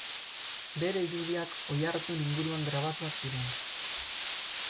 Bere irudiak Oiartzun inguruan grabatuak ziren.